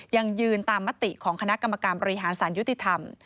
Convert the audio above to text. ยังยืนตามมติของคณะกรรมการบริหารสารยุติธรรม